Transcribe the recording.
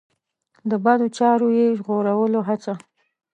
د بدو چارو یې ژغورلو هڅه.